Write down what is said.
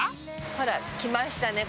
ほら来ましたね。